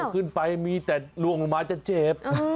ขึ้นไปมีแต่ล่วงลงมาจะเจ็บ